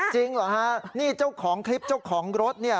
เหรอฮะนี่เจ้าของคลิปเจ้าของรถเนี่ย